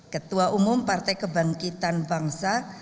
ketua umum partai kebangkitan bangsa